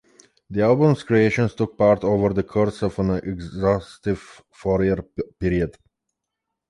The album's creation took part over the course of an exhaustive four-year period.